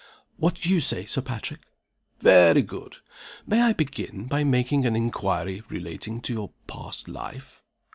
"What you say, Sir Patrick." "Very good. May I begin by making an inquiry relating to your past life?"